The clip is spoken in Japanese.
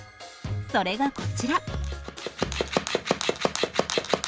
それがこちら。